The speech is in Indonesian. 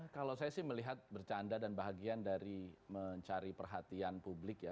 kalau saya sih melihat bercanda dan bahagian dari mencari perhatian publik ya